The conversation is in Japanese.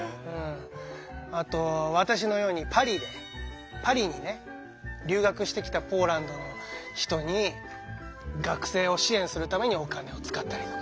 あと私のようにパリに留学してきたポーランドの人に学生を支援するためにお金を使ったりとか。